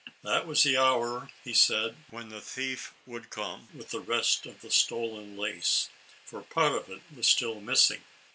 That was the hour, he said, when the thief would come with the rest of the stolen lace, for part of it was still missing.